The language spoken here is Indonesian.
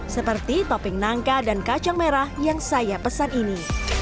seperti topping nangka dan kacang merah yang saya pesan ini